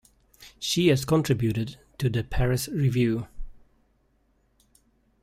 She has contributed to "The Paris Review".